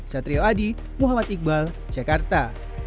satrio adi muhammad iqbal jakarta